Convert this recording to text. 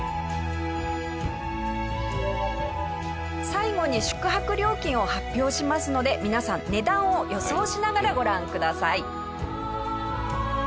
最後に宿泊料金を発表しますので皆さん値段を予想しながらご覧ください。